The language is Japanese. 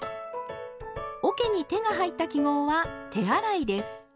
おけに手が入った記号は手洗いです。